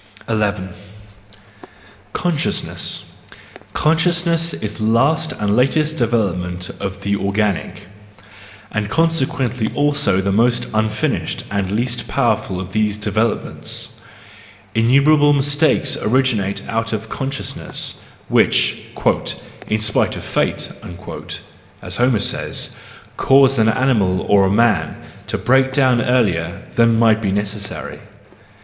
ii. Consciousness .— Consciousness is the last and latest development of the organic, and consequently also the most unfinished and least powerful of these developments. Innumerable mistakes originate out of consciousness, which, " in spite of fate," as Homer says, cause an animal or a man to break down earlier than might be necessary.